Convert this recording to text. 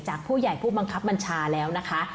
จากผู้ใหญ่ผู้บังคับบัญชาแล้วนะคะ